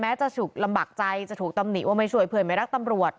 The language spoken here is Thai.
จะถูกลำบากใจจะถูกตำหนิว่าไม่ช่วยเพื่อนไม่รักตำรวจ